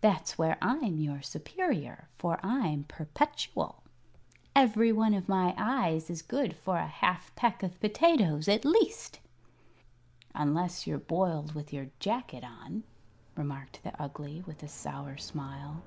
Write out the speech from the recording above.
That's where I'm your superior, for I'm perpetual. Every one of my eyes is good for a half peck of potatoes, at least." "Unless you're boiled with your jacket on," remarked the Ugly, with a sour smile.